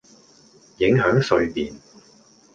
影響睡眠